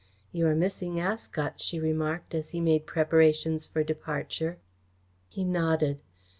"You are missing Ascot," she remarked, as he made preparations for departure. He nodded.